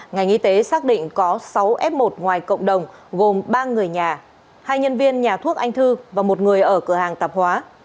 ngành y tế xác định có sáu f một ngoài cộng đồng gồm ba người nhà hai nhân viên nhà thuốc anh thư và một người ở cửa hàng tạp hóa